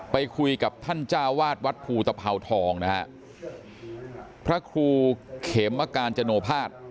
ไปคุยกับท่านเจ้าวาดวัดภูตภาวทองนะฮะพระครูเขมการจโนภาษ